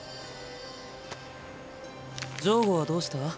漏瑚はどうした？